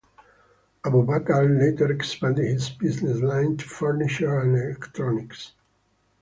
Abubakar later expanded his business line to furniture and electronics.